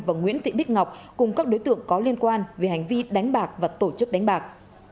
và nguyễn thị bích ngọc cùng các đối tượng có liên quan về hành vi đánh bạc và tổ chức đánh bạc